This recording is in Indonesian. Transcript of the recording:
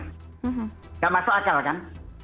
tidak masuk akal kan